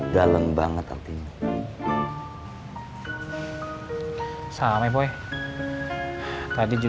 dalem banget aku ngejar ngejar orang itu